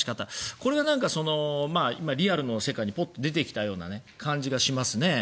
これが今、リアルの世界にポッと出てきたような感じがしますね。